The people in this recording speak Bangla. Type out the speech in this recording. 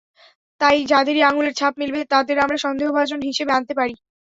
তাই যাদেরই আঙুলের ছাপ মিলবে, তাদের আমরা সন্দেহভাজন হিসেবে আনতে পারি।